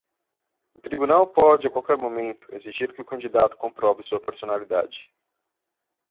O tribunal pode, a qualquer momento, exigir que o candidato comprove sua personalidade.